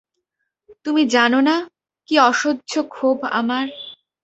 তুমি জান না, কী অসহ্য ক্ষোভ আমার।